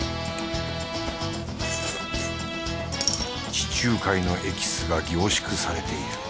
地中海のエキスが凝縮されている。